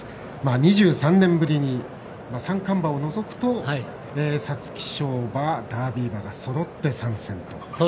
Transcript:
２３年ぶりに三冠馬を除くと皐月賞馬、ダービー馬がそろって参戦と。